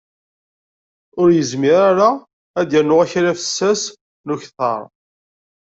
Ur yezmir ara ad yernu akala afessas n ukter.